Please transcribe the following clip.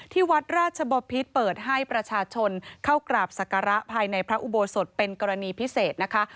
ที่วัดราชบพิษเปิดให้ประชาชนเข้ากราบศักระภายในพระอุโบสถเป็นกรณีพิเศษนะคะ